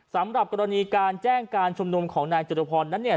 สำหรับกรณีการแจ้งการชุมนุมของนายจตุพรนั้นเนี่ย